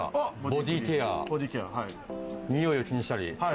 ボディケア、においを気にしたり。